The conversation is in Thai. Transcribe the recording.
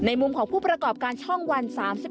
มุมของผู้ประกอบการช่องวัน๓๑